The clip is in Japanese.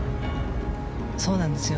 そうなんですよ。